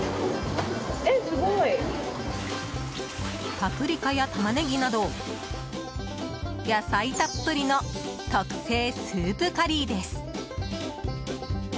パプリカやタマネギなど野菜たっぷりの特製スープカリーです。